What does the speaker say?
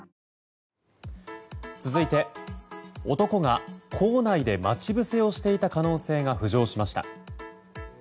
続いて男が校内で待ち伏せをしていた可能性が浮上しました。